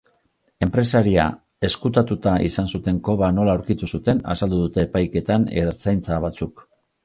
Enpresaria ezkutatuta izan zuten koba nola aurkitu zuten azaldu dute epaiketan ertzaintza batzuk.